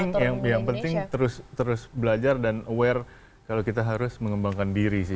yang yang penting yang yang penting terus terus belajar dan aware kalau kita harus mengembangkan diri sih